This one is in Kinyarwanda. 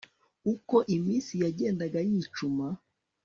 Uko iminsi yagendaga yicuma